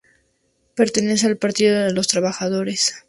Pertenece al Partido de los Trabajadores.